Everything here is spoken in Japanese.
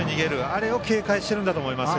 あれを警戒しているんだと思います。